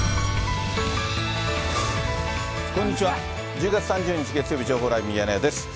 １０月３０日月曜日、情報ライブミヤネ屋です。